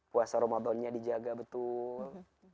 puasa ramadannya dijaga betul